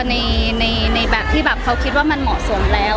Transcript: ในแบบที่แบบเขาคิดว่ามันเหมาะสมแล้ว